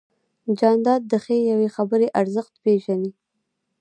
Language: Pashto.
جانداد د ښې یوې خبرې ارزښت پېژني.